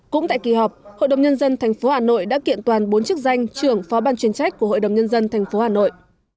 cũng tại kỳ họp hội đồng nhân dân thành phố hà nội đã kiện toàn bốn chức danh trưởng phó ban chuyên trách của hội đồng nhân dân thành phố hà nội